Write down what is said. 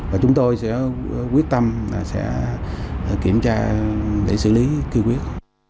và chúng tôi sẽ quyết tâm kiểm tra để xử lý kỳ quyết